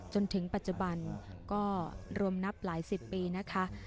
จนถึงปัจจุบันก็รวมนับหลายสิบปีนะคะ